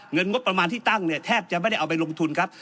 งบประมาณที่ตั้งเนี่ยแทบจะไม่ได้เอาไปลงทุนครับ